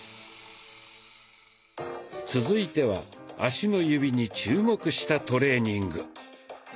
続いては足の指に注目したトレーニング。